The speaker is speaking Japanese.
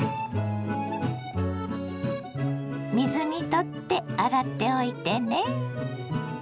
水にとって洗っておいてね。